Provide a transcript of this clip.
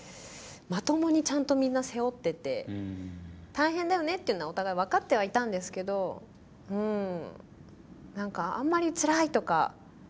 まともにちゃんとみんな背負ってて大変だよねっていうのはお互い分かってはいたんですけどうん。